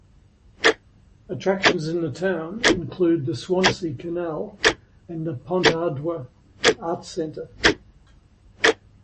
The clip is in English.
Attractions in the town include the Swansea Canal and the Pontardawe Arts Centre.